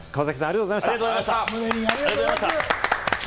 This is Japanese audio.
川崎さん、ありがとうございました。